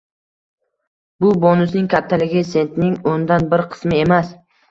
Bu bonusning kattaligi sentning o‘ndan bir qismi emas.